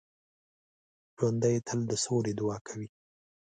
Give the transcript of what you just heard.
ژوندي تل د سولې دعا کوي